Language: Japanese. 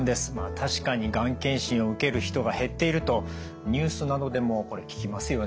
確かにがん検診を受ける人が減っているとニュースなどでもこれ聞きますよね。